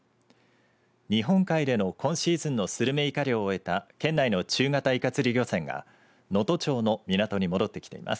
日本海での今シーズンのスルメイカ漁を終えた県内の中型イカ釣り漁船が能登町の港に戻ってきています。